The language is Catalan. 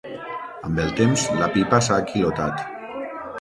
Amb el temps la pipa s'ha aquilotat.